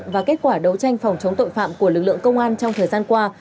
và kết quả đấu tranh phòng chống tội phạm của lực lượng công an trong thời gian qua